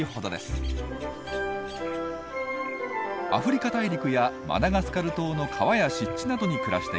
アフリカ大陸やマダガスカル島の川や湿地などに暮らしています。